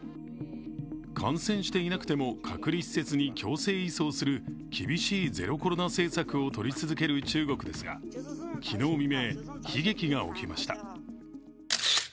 感染していなくても隔離施設に強制移送する厳しいゼロコロナ政策を取り続ける中国ですが昨日未明、悲劇が起きました。